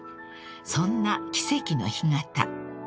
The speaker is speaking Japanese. ［そんな奇跡の干潟］